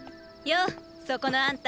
うそこのあんた。